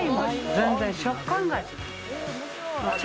全然食感が違う。